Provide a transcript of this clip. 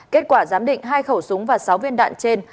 kết quả giám định hai khẩu súng và sáu viên đạn trên